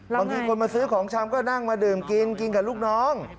คนมาซื้อของชำก็นั่งมาดื่มกินกินกับลูกน้อง